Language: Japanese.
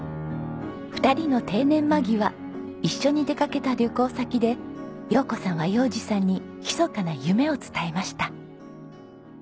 ２人の定年間際一緒に出掛けた旅行先で洋子さんは洋治さんにひそかな夢を伝えました。